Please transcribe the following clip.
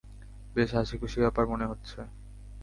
বেশ হাসিখুশি ব্যাপার মনে হচ্ছে।